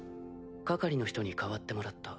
係の人に代わってもらった。